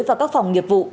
và các phòng nghiệp vụ